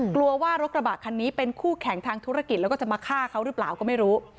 กลัวว่ารถกระบะคันนี้เป็นคู่แข่งทางธุรกิจแล้วก็จะมาฆ่าเขาหรือเปล่าก็ไม่รู้